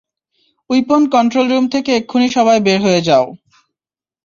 Weapon control room থেকে এক্ষুনি সবাই বের হয়ে যাও!